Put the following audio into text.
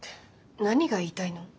何が言いたいの？